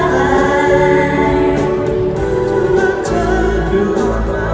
ฉันรักเธอไม่หมดหลัก